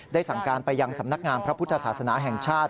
สั่งการไปยังสำนักงานพระพุทธศาสนาแห่งชาติ